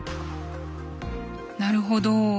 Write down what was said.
なるほど。